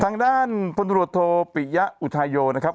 ทางด้านพลตรวจโทปิยะอุทาโยนะครับ